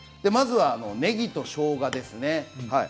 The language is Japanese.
まずは、ねぎとしょうがですね。